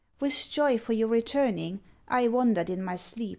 ' With joy for your returning — I wandered in my sleep.'